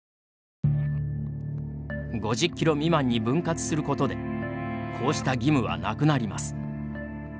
５０キロ未満に分割することでこうした義務はなくなります。